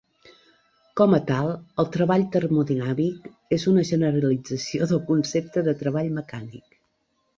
Com a tal, el treball termodinàmic és una generalització del concepte de treball mecànic.